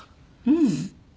うん。